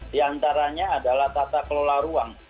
di antaranya adalah tata kelola ruang